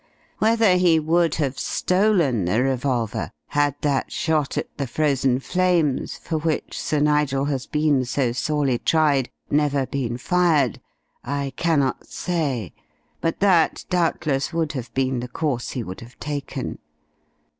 Whether he would have stolen the revolver had that shot at the Frozen Flames for which Sir Nigel has been so sorely tried never been fired, I cannot say, but that doubtless would have been the course he would have taken.